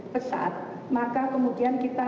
pesat maka kemudian kita